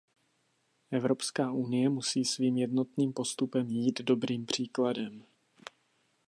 Evropská unie musí svým jednotným postupem jít dobrým příkladem.